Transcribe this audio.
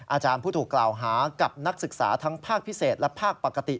อาจารย์ผู้ถูกกล่าวหากับนักศึกษาทั้งภาคพิเศษและภาคปกติ